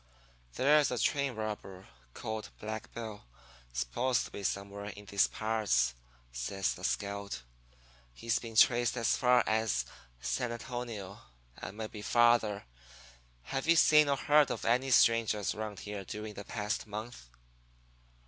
"'There's a train robber called Black Bill supposed to be somewhere in these parts,' says the scout. 'He's been traced as far as San Antonio, and maybe farther. Have you seen or heard of any strangers around here during the past month?'